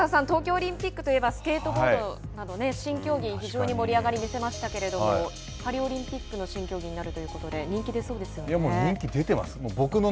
東京オリンピックといえばスケートボードなど新競技、非常に盛り上がりを見せましたけれどもパリオリンピックの新競技になるということで人気、出てます。